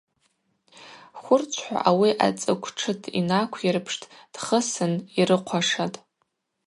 Хвырчвхӏва ауи ацӏыкв тшыт йнаквйырпштӏ, дхысын йрыхъвашатӏ.